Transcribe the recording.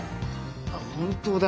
「あっ本当だ」。